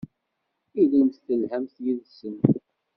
Ilimt telhamt yid-sen.